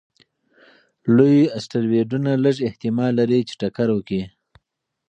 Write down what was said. لوی اسټروېډونه لږ احتمال لري چې ټکر وکړي.